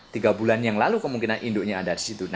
tiga bulan yang lalu kemungkinan induknya ada di situ